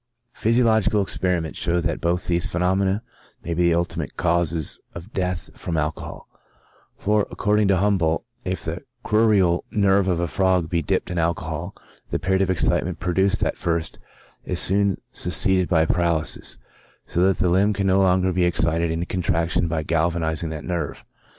Physiological experiments show that both these phenom ena may be the ultimate causes of death from alcohol ; for, according to Humboldt, if the crural nerve of a frog be dipped in alcohol, the period of excitement produced at first is soon succeeded by paralysis, so that the limb can no longer be excited into contraction by galvanizing that nerve.